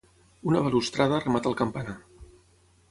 Una balustrada remata el campanar.